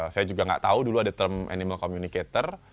saya juga nggak tahu dulu ada term animal communicator